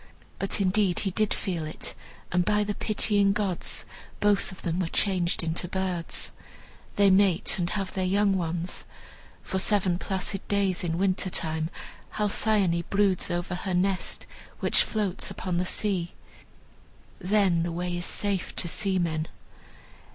But indeed he did feel it, and by the pitying gods both of them were changed into birds. They mate and have their young ones. For seven placid days, in winter time, Halcyone broods over her nest, which floats upon the sea. Then the way is safe to seamen.